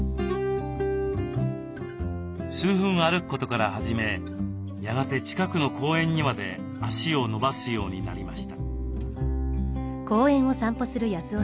数分歩くことから始めやがて近くの公園にまで足を延ばすようになりました。